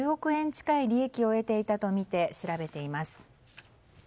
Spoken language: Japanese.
近い利益を得ていたとみて調べています。